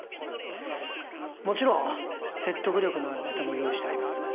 もちろん説得力のあるネタも用意してあります